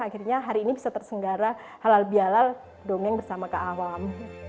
akhirnya hari ini bisa tersenggara halal bialal dongeng bersama ke awam